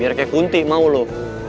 biar kayak kunti mau lo